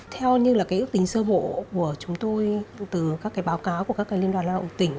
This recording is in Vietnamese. theo như ước tính sơ bộ của chúng tôi từ các báo cáo của các liên đoàn lao động tỉnh